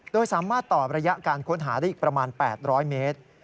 โดยสามารถต่อระยะการค้นหาได้อีกประมาณ๘๐๐เมตร